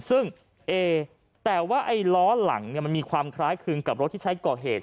ซึ่งเอแต่ว่าไอ้ล้อหลังมันมีความคล้ายคลึงกับรถที่ใช้ก่อเหตุ